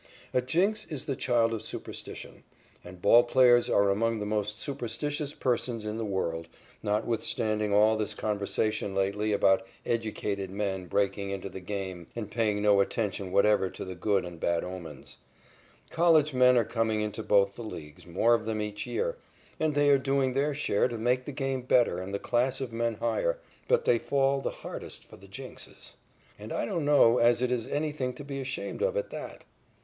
A jinx is the child of superstition, and ball players are among the most superstitious persons in the world, notwithstanding all this conversation lately about educated men breaking into the game and paying no attention whatever to the good and bad omens. College men are coming into both the leagues, more of them each year, and they are doing their share to make the game better and the class of men higher, but they fall the hardest for the jinxes. And I don't know as it is anything to be ashamed of at that.